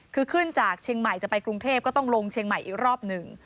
คือขึ้นจากเชียงใหม่จะไปกรุงเทพก็ต้องลงเชียงใหม่อีกรอบหนึ่ง